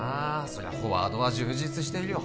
そりゃフォワードは充実してるよ